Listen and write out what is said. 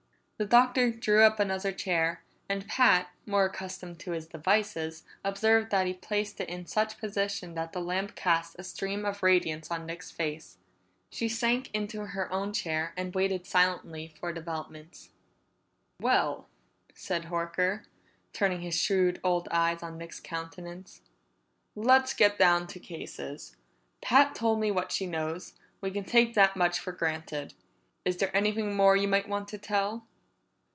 The Doctor drew up another chair, and Pat, more accustomed to his devices, observed that he placed it in such position that the lamp cast a stream of radiance on Nick's face. She sank into her own chair and waited silently for developments. "Well," said Horker, turning his shrewd old eyes on Nick's countenance, "let's get down to cases. Pat's told me what she knows; we can take that much for granted. Is there anything more you might want to tell?"